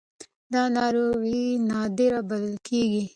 دا ناروغي نادره بلل کېږي.